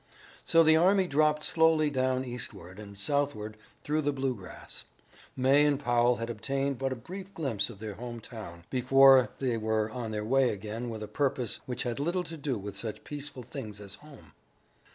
So the army dropped slowly down eastward and southward through the Bluegrass. May and Powell had obtained but a brief glimpse of their home town, before they were on their way again with a purpose which had little to do with such peaceful things as home.